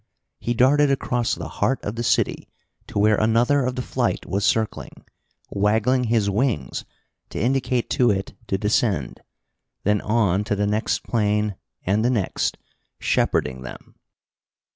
He darted across the heart of the city to where another of the flight was circling, waggling his wings to indicate to it to descend. Then on to the next plane and the next, shepherding them.